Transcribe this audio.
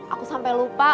aku sampe lupa